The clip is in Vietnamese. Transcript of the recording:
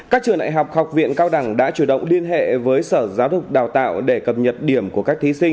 các trường đại học học viện cao đẳng đã chủ động liên hệ với sở giáo dục và đào tạo